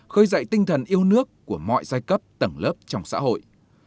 khơi dậy tinh thần yêu nước của mọi giai cấp tầng lớp trong xã hội